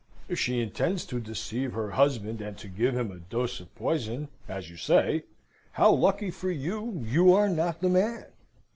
If she intends to deceive her husband, and to give him a dose of poison, as you say, how lucky for you, you are not the man!